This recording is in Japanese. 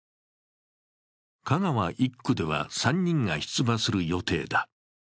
香川１区では３人が出馬する予定だ。